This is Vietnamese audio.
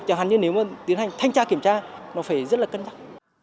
chẳng hạn như nếu mà tiến hành thanh tra kiểm tra nó phải rất là cân nhắc